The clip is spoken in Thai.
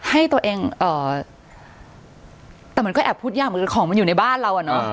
ให้ตัวเองแต่มันก็แอบพูดยากเหมือนกันของมันอยู่ในบ้านเราอ่ะเนอะ